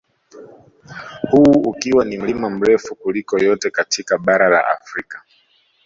Huu ukiwa ni mlima mrefu kuliko yote katika bara la Afrika